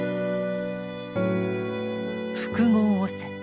「複合汚染」。